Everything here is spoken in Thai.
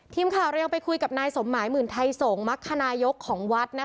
ทีมข่าวเรายังไปคุยกับนายสมหมายหมื่นไทยสงศมรรคนายกของวัด